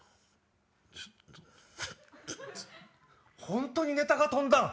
本当にネタが飛んだん？